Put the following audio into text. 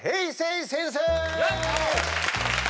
先生！